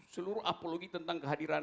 seluruh apologi tentang kehadiran